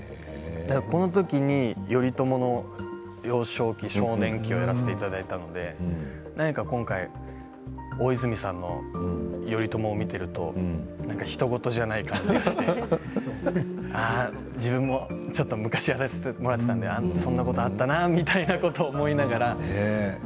このときに頼朝の幼少期、少年期をやらせていただいたので今回大泉さんの頼朝を見ているとひと事じゃない感じがして自分もちょっと昔やらせてもらっていたのでそんなことがあったなみたいなことを思いながら。